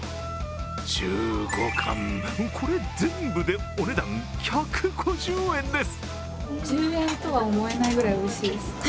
１５貫、これ全部でお値段１５０円です！